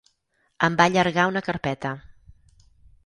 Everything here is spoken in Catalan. Em va allargar una carpeta.